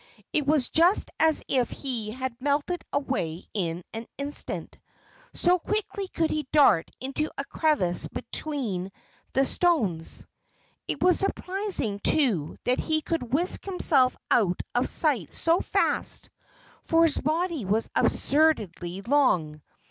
It was just as if he had melted away in an instant, so quickly could he dart into a crevice between the stones. It was surprising, too, that he could whisk himself out of sight so fast, for his body was absurdly long.